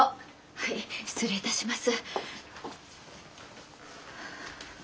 はい失礼いたします。